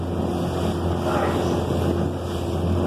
Textaṛ-itt?